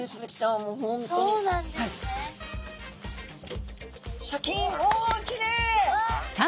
おきれい！